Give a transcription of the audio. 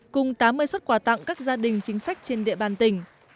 cùng tám mươi xuất quà tặng các gia đình chính sách trên địa bàn tỉnh